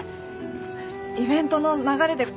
イベントの流れでざって。